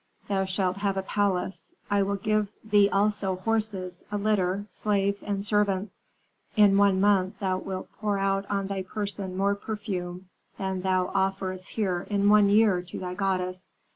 Thou shall have a palace; I will give thee also horses, a litter, slaves, and servants. In one month thou wilt pour out on thy person more perfume than thou offerest here in one year to thy goddess.